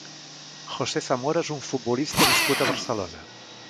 José Zamora és un futbolista nascut a Barcelona.